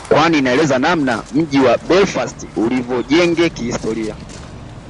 kwani inaeleza namna mji wa Belfast ulivyojijenge kihistoria